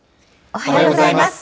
おはようございます。